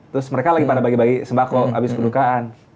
terus mereka lagi pada bagi bagi sembako habis kedukaan